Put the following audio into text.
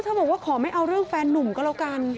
บอกว่าขอไม่เอาเรื่องแฟนนุ่มก็แล้วกัน